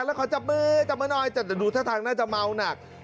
แล้วเขาจับมือจับมือหน่อยแต่ดูท่าทางน่าจะเมาหนัก